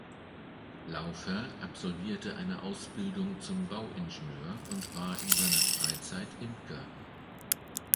Laufer absolvierte eine Ausbildung zum Bauingenieur und war in seiner Freizeit Imker.